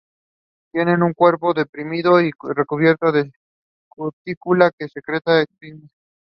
No announcement was made regarding the sole remaining clinic in Chisholm.